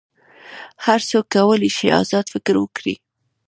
هر څوک کولی شي آزاد فکر وکړي.